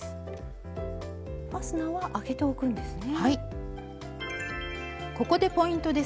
ファスナーは開けておくんですね。